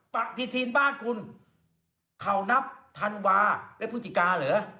ปรักษีทีนบ้านคุณเขานับธันวาและพุจจิต้าเหรอ